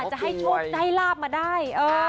อาจจะให้ลาบมาได้